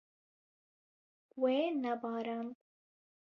Wê nebarand.